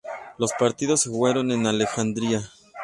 Los partidos se jugaron en Alejandría.